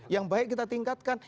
yang baik kita tingkatkan